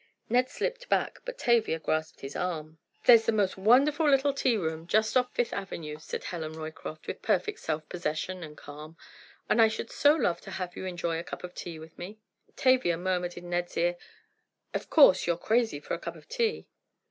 Ned slipped back, but Tavia grasped his arm. "There's the most wonderful little tea room just off Fifth Avenue," said Helen Roycroft, with perfect self possession and calm, "and I should so love to have you enjoy a cup of tea with me." Tavia murmured in Ned's ear: "Of course you're crazy for a cup of tea."